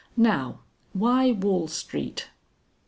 Now, why Wall Street?"